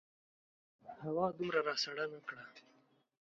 هوا دومره راسړه نه کړه.